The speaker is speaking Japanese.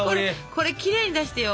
これきれいに出してよ。